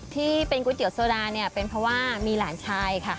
ที่เป็นก๋วยเตี๋ยโซดาเนี่ยเป็นเพราะว่ามีหลานชายค่ะ